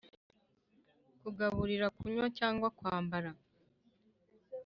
kugaburira, kunywa cyangwa kwambara;